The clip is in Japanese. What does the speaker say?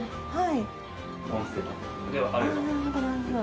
はい。